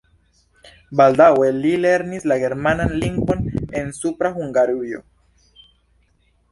Baldaŭe li lernis la germanan lingvon en Supra Hungarujo.